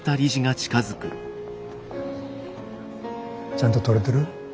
ちゃんと撮れてる？